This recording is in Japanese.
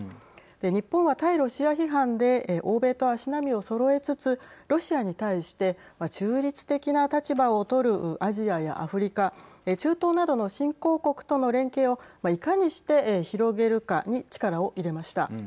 日本は対ロシア批判で欧米と足並みをそろえつつロシアに対して中立的な立場を取るアジアやアフリカ中東などの新興国との連携をいかにして広げるかに力を入れました。